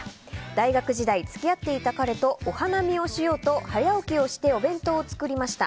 大学時代、付き合っていた彼とお花見をしようと早起きをしてお弁当を作りました。